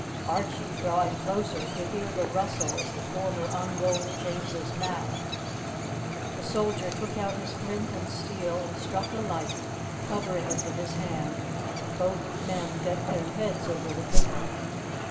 Archie, drawing closer, could hear the rustle as the former unrolled James's map. The soldier took out his flint and steel and struck a light, covering it with his hand, and both men bent their heads over the paper.